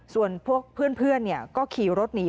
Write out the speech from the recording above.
ส่วนพวกเพื่อนก็ขี่รถหนี